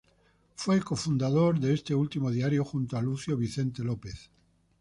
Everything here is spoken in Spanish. Fue cofundador de este último diario junto a Lucio Vicente López.